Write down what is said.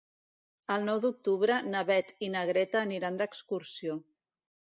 El nou d'octubre na Beth i na Greta aniran d'excursió.